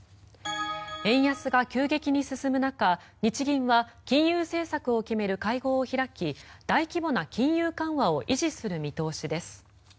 円安が急激に進む中、日銀は金融政策を決める会合を開き大規模な金融緩和を維持する見通しです。